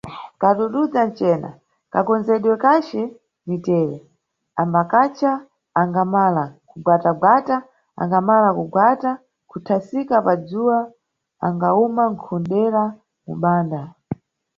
Kadududza ncena, kakondzerwa kace ni tere, ambakacha, angamala nkugwatagwata, angamala kugwata kuthasika padzuwa angawuma nkudera mubanda.